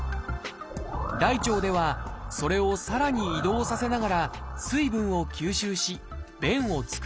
大腸ではそれをさらに移動させながら水分を吸収し便を作ります。